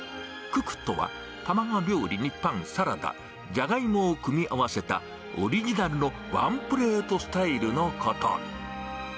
ククとは卵料理にパン、サラダ、じゃがいもを組み合わせたオリジナルのワンプレートスタイルのこと。